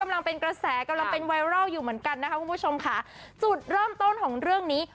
กำลังเป็นกระแสกำลังเป็นไวรัลอยู่เหมือนกันนะคะคุณผู้ชมค่ะจุดเริ่มต้นของเรื่องนี้